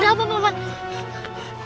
ada apa pak man